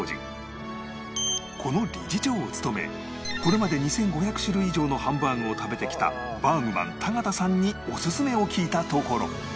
この理事長を務めこれまで２５００種類以上のハンバーグを食べてきたバーグマン田形さんにオススメを聞いたところ